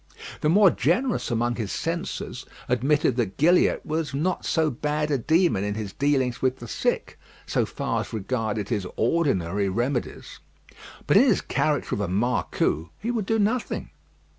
The more generous among his censors admitted that Gilliatt was not so bad a demon in his dealings with the sick, so far as regarded his ordinary remedies. But in his character of a marcou, he would do nothing.